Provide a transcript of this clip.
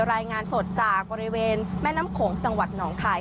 รายงานสดจากบริเวณแม่น้ำโขงจังหวัดหนองคาย